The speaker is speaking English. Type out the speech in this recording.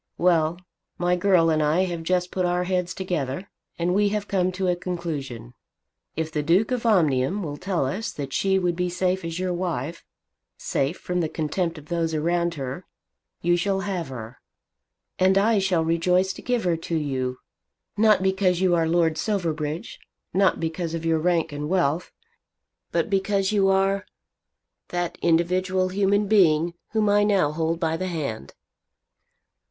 Well, my girl and I have just put our heads together, and we have come to a conclusion. If the Duke of Omnium will tell us that she would be safe as your wife, safe from the contempt of those around her, you shall have her. And I shall rejoice to give her to you, not because you are Lord Silverbridge, not because of your rank and wealth; but because you are that individual human being whom I now hold by the hand."